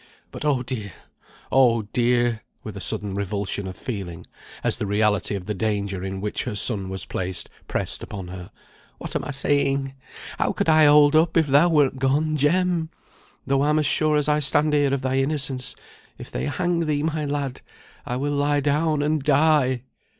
But, oh dear! oh dear!" with a sudden revulsion of feeling, as the reality of the danger in which her son was placed pressed upon her. "What am I saying? How could I hold up if thou wert gone, Jem? Though I'm as sure as I stand here of thy innocence, if they hang thee, my lad, I will lie down and die!"